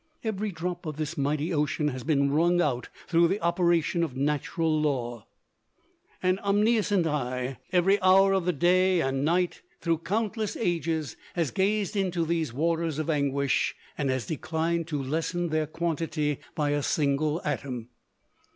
Every drop of this mighty ocean has been wrung out through the operation of natural law. An omniscient eye, every hour of the day and night, through countless ages, has gazed into these waters of anguish, and has declined to lessen their quantity by a single atom.